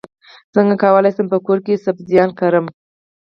څنګه کولی شم په کور کې سبزیان کرم